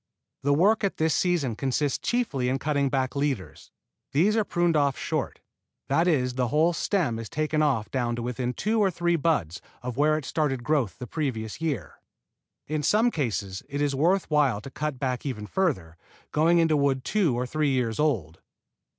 The work at this season consists chiefly in cutting back leaders. These are pruned off short, that is the whole stem is taken off down to within two or three buds of where it started growth the previous year. In some cases it is worth while to cut even further back, going into wood two or three years old.